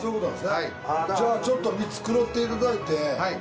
犬磴ちょっと見繕っていただいて。